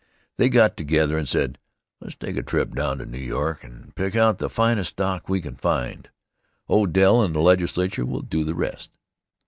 They got together and said: "Let's take a trip down to New York and pick out the finest dock we can find. Odell and the Legislature will do the rest."